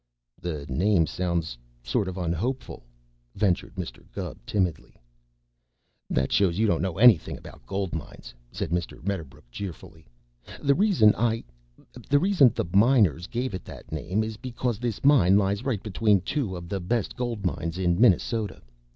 "The name sounds sort of unhopeful," ventured Mr. Gubb timidly. "That shows you don't know anything about gold mines," said Mr. Medderbrook cheerfully. "The reason I the reason the miners gave it that name is because this mine lies right between two of the best gold mines in Minnesota.